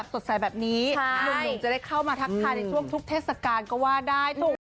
สดสายแบบนี้เหนื่องจะได้เข้ามาทักทายในช่วงทุกทศการก็ว่าได้